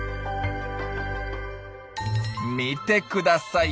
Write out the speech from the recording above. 見てください